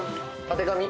たてがみ？